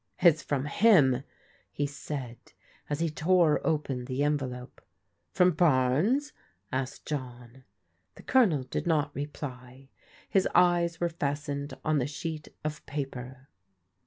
It's from him/' he said as he tore open the envelope. From Barnes?" asked John. The Colonel did not reply. His eyes were fastened on the sheet of paper.